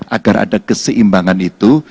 agar ada keseimbangan itu